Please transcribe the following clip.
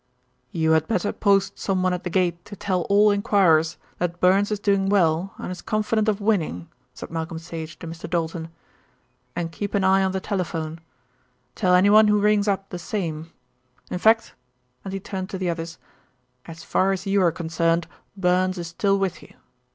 "You had better post someone at the gate to tell all enquirers that Burns is doing well and is confident of winning," said Malcolm Sage to Mr. Doulton, "and keep an eye on the telephone. Tell anyone who rings up the same; in fact" and he turned to the others "as far as you are concerned, Burns is still with you.